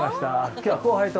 今日は後輩と。